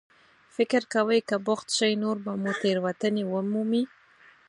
فکر کوئ که بوخت شئ، نور به مو تېروتنې ومومي.